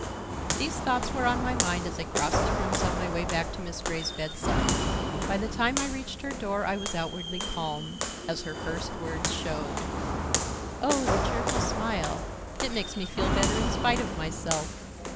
These thoughts were on my mind as I crossed the rooms on my way back to Miss Grey's bedside. By the time I reached her door I was outwardly calm, as her first words showed: "Oh, the cheerful smile! It makes me feel better in spite of myself."